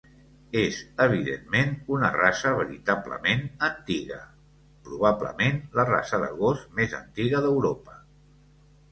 És evidentment una raça veritablement antiga, probablement la raça de gos més antiga d'Europa.